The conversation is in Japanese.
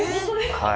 はい。